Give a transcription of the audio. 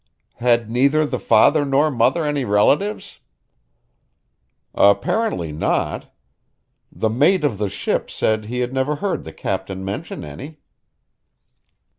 "Had neither the father nor mother any relatives?" "Apparently not. The mate of the ship said he had never heard the Captain mention any."